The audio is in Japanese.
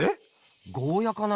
ゴーヤーかな？